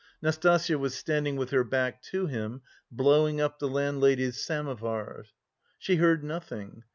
Nastasya was standing with her back to him, blowing up the landlady's samovar. She heard nothing.